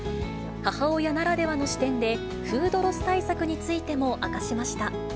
母親ならではの視点で、フードロス対策についても明かしました。